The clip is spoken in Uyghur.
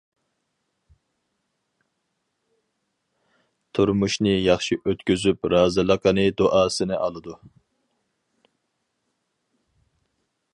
تۇرمۇشنى ياخشى ئۆتكۈزۈپ رازىلىقىنى دۇئاسىنى ئالىدۇ.